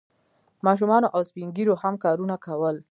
ماشومانو او سپین ږیرو هم کارونه کول.